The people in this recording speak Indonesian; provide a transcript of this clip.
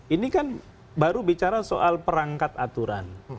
ini kan baru bicara soal perangkat aturan